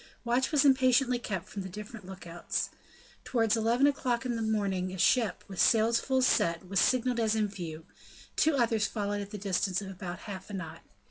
Watch was impatiently kept from the different look outs. Towards eleven o'clock in the morning a ship, with sails full set, was signalled as in view; two others followed at the distance of about half a knot.